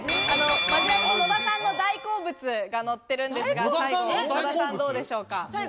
マヂラブ・野田さんの大好物がのってるんですが、最後、野田さん、どうでしょうか？